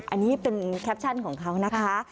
อันนี้เป็นแคปชั่นของเขานะคะ